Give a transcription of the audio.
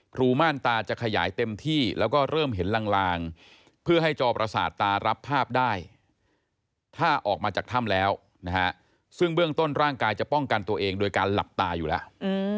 ม่านตาจะขยายเต็มที่แล้วก็เริ่มเห็นลางเพื่อให้จอประสาทตารับภาพได้ถ้าออกมาจากถ้ำแล้วนะฮะซึ่งเบื้องต้นร่างกายจะป้องกันตัวเองโดยการหลับตาอยู่แล้ว